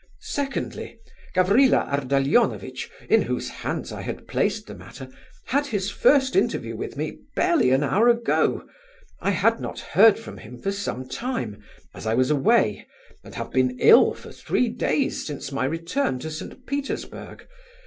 Secondly, Gavrila Ardalionovitch, in whose hands I had placed the matter, had his first interview with me barely an hour ago. I had not heard from him for some time, as I was away, and have been ill for three days since my return to St. Petersburg.